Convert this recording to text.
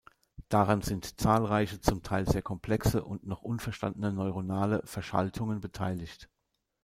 Daran sind zahlreiche zum Teil sehr komplexe und noch unverstandene neuronale Verschaltungen beteiligt.